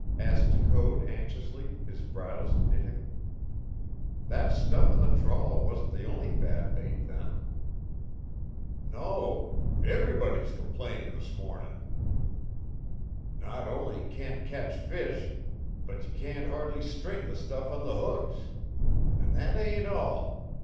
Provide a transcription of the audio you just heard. asked Code anxiously, his brows knitting. "That stuff on the trawl wasn't the only bad bait, then." "No. Everybody's complainin' this mornin'. "Not only can't catch fish, but ye can't hardly string the stuff on the hooks. An' that ain't all.